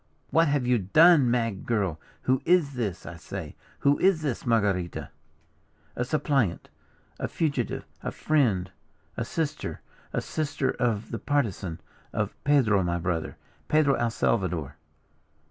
"What have you done, mad girl? Who is this, I say, who is this, Marguerita?" "A suppliant, a fugitive, a friend, a sister, a sister of the Partisan of Pedro, my brother, Pedro el Salvador."